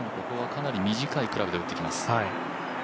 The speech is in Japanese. ここはかなり短いクラブで打ってきます。